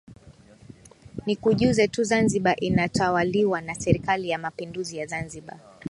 Nikujuze tu Zanzibar inatawaliwa na Serikali ya Mapinduzi ya Zanzibar